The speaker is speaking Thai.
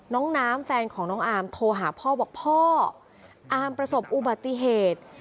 น้องน้ำแฟนของน้องอาร์มโทรหาพ่อบอกพ่ออาร์มประสบอุบัติเหตุ